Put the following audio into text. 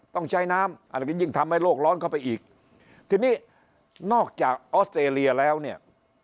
ต้องใช้น้ำอาจจะยิ่งทำให้โลกร้อนเข้าไปอีกทีนี้นอกจากออสเตรเลียแล้วเนี่ย